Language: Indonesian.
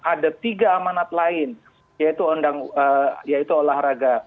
ada tiga amanat lain yaitu olahraga